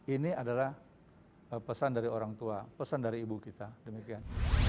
ini adalah pesan dari orang tua pesan dari ibu kita demikian